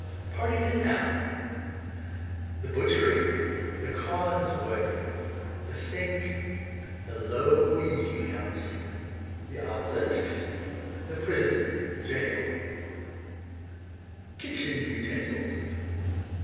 Parties a Town. The butchery The cause way The sink The low eating house The obelis ks The prison, geol Kitchen utensils.